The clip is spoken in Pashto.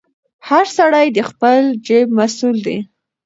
هر سړی د خپل جیب مسوول دی.